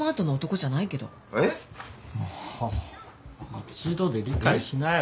もう一度で理解しなよ。